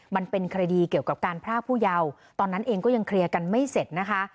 มันเป็นคดีเกี่ยวกับการพรากผู้เยาว์ตอนนั้นเองก็ยังเคลียร์กันไม่เสร็จนะคะ